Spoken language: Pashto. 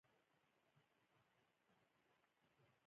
د درملو د بسته بندۍ کوچني مرکزونه شتون لري.